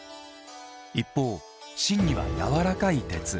一方、芯には軟らかい鉄。